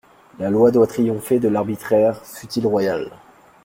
La loi doit triompher de l'arbitraire, fût-il royal!